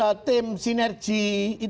nah semacam loh ini